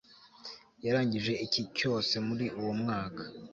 Yarangije icyi cyose muri uwo mwaka